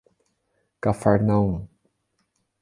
Cafarnaum